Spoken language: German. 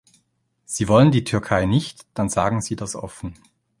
Sie wollen die Türkei nicht, dann sagen Sie das offen.